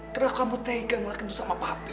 kenapa kamu tega ngeliatin itu sama papi